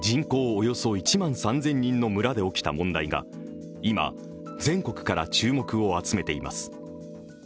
およそ１万３０００人の村で起きた問題が、今、全国から注目を集めています。